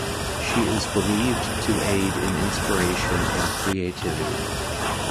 She is believed to aid in inspiration and creativity.